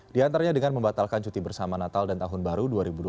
di antaranya dengan membatalkan cuti bersama natal dan tahun baru dua ribu dua puluh